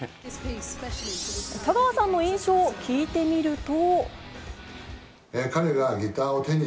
田川さんの印象を聞いてみると。